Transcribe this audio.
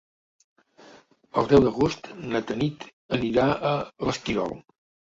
El deu d'agost na Tanit anirà a l'Esquirol.